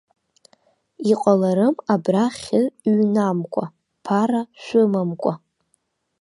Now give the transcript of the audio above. Иҟаларым абра хьы ҩнамка, ԥара шәымамкәа.